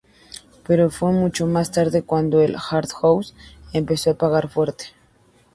Pero fue mucho más tarde cuando el "hard house" empezó a pegar fuerte.